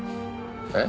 えっ？